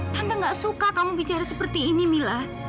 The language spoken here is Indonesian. tante nggak suka kamu bicara seperti ini mila